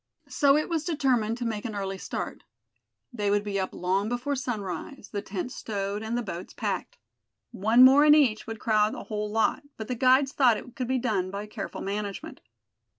So it was determined to make an early start. They would be up long before sunrise, the tents stowed, and the boats packed. One more in each would crowd a whole lot, but the guides thought it could be done by careful management.